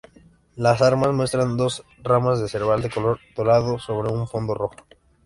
Las armas muestran dos ramas de serbal de color dorado sobre un fondo rojo.